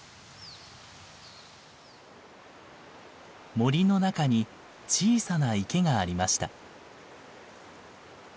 森の中に小さな池がありました。